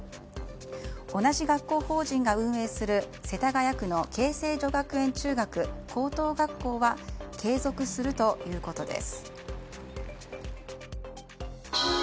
同じ学校法人が運営する世田谷区の恵泉女学園中学・高等学校は継続するということです。